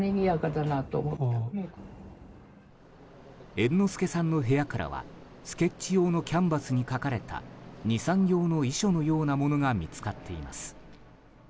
猿之助さんの部屋からはスケッチ用のキャンバスに書かれた２、３行の遺書のようなものが見つかっています。